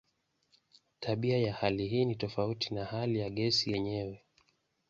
Tabia ya hali hii ni tofauti na hali ya gesi yenyewe.